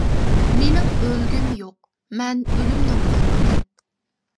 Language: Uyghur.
مېنىڭ ئۆلگۈم يوق، مەن ئۆلۈمدىن قورقىمەن.